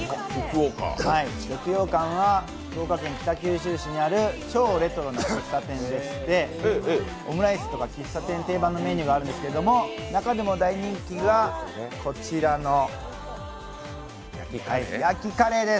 六曜舘は福岡県北九州市にある超レトロな喫茶店でして、オムライスとか喫茶店定番のメニューがあるんですが、中でも大人気が、こちらの焼きカレーです。